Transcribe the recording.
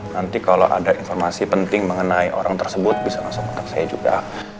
nanti kalau ada informasi penting mengenai orang tersebut bisa langsung anak saya juga